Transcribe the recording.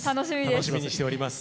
楽しみにしております。